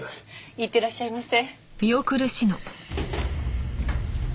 いってらっしゃいませ。